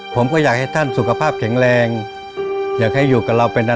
ผมก็อยากให้ท่านสุขภาพแข็งแรงอยากให้อยู่กับเราเป็นอะไร